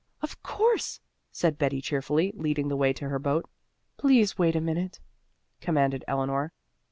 "Of course," said Betty, cheerfully, leading the way to her boat. "Please wait a minute," commanded Eleanor.